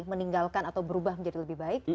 meninggalkan atau berubah menjadi lebih baik